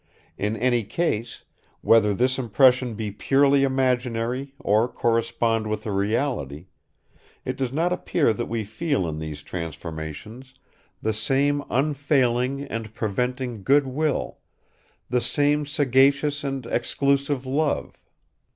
In any case, whether this impression be purely imaginary or correspond with a reality, it does not appear that we feel in these transformations the same unfailing and preventing good will, the same sagacious and exclusive love.